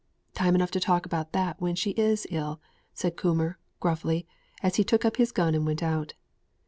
"Time enough to talk about that when she is ill," said Coomber, gruffly, as he took up his gun and went out.